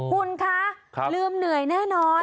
คุณคะลืมเหนื่อยแน่นอน